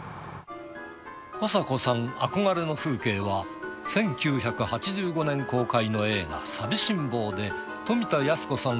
あさこさん憧れの風景は１９８５年公開の映画『さびしんぼう』で富田靖子さん